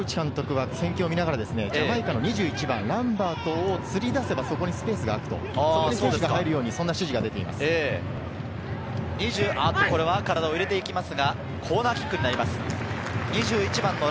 横内監督は戦況を見ながらジャマイカの２１番・ランバートをつり出せば、そこに選手が入るようにという指示を出しています。